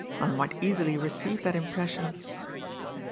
One might easily receive that impression."